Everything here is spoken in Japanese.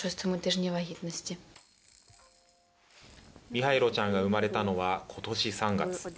ミハイロちゃんが生まれたのは今年３月。